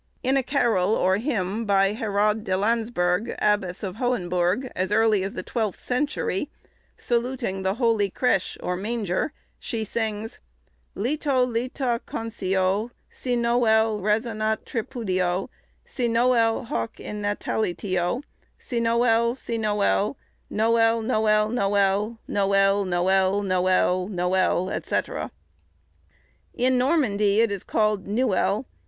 In a carol, or hymn, by Herrade de Landsberg, Abbess of Hohenbourg, as early as the twelfth century, saluting the holy "crêche," or manger, she sings, "Leto leta concio Cinoël resonat tripudio, Cinoël hoc in natalitio, Cinoël, cinoël, Noël, noël, noël, Noël, noël, noël, noël, &c." In Normandy it is called nuel.